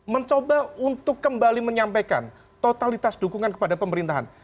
mencoba untuk kembali menyampaikan totalitas dukungan kepada pemerintahan